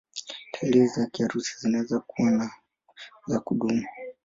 Dalili za kiharusi zinaweza kuwa za kudumu.